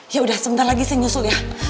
ya udah sebentar lagi saya nyusul ya